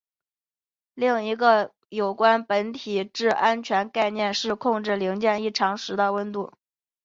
另一个有关本质安全的概念是控制零件异常时的温度。